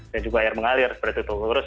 dan juga air mengalir seperti itu